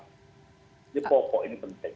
ini pokok ini penting